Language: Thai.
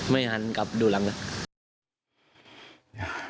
หันกลับดูหลังเลย